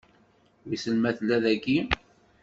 Wissen ma tella dagi?